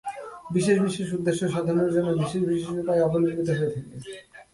বিশেষ বিশেষ উদ্দেশ্য-সাধনের জন্যে বিশেষ বিশেষ উপায় অবলম্বিত হয়ে থাকে।